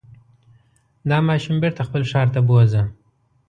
دا ماشوم بېرته خپل ښار ته بوځه.